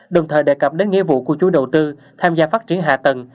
đồng thời đề cập đến nghĩa vụ của chú đầu tư tham gia phát triển hạ tầng